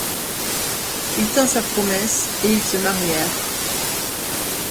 Il tint sa promesse et ils se marièrent.